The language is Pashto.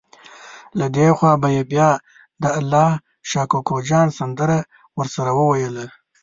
له دې خوا به یې بیا د الله شا کوکو جان سندره ورسره وویله.